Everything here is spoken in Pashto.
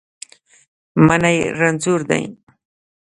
منی رنځور دی